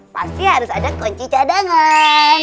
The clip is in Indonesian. pasti harus ada kelinci cadangan